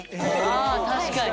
ああ確かに。